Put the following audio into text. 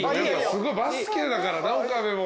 すごいバスケだからな岡部も。